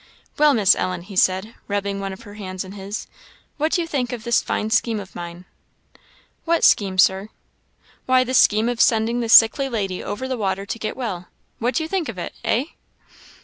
"Well, Miss Ellen," he said, rubbing one of her hands in his, "what do you think of this fine scheme of mine?" "What scheme, Sir?" "Why, this scheme of sending this sick lady over the water to get well; what do you think of it, eh?"